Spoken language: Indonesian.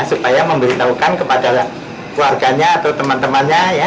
supaya memberitahukan kepada keluarganya atau teman temannya